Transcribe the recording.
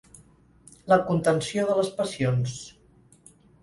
La contenció de les passions.